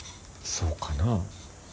そうかなあ。